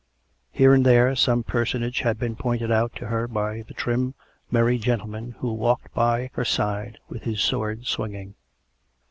Here and there some personage had been pointed out to her by the trim, merry gentleman who walked by her side with his sword swinging.